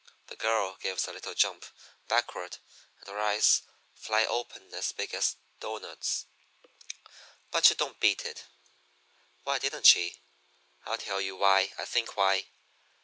The girl gives a little jump backward, and her eyes fly open as big as doughnuts; but she don't beat it. "Why didn't she? I'll tell you why I think why.